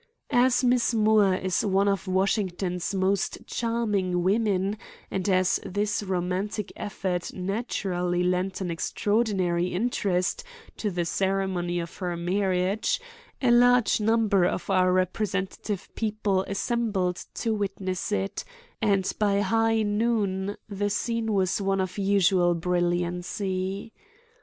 As Miss Moore is one of Washington's most charming women, and as this romantic effort naturally lent an extraordinary interest to the ceremony of her marriage, a large number of our representative people assembled to witness it, and by high noon the scene was one of unusual brilliancy.